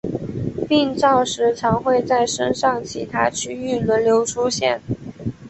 病灶时常会在身上其他区域轮流出现。